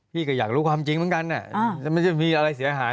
พี่ก็อยากรู้ความจริงเหมือนกันไม่ใช่มีอะไรเสียหาย